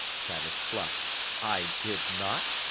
Travis clucked. "I did not.